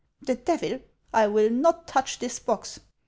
The devil ! I will not touch this box.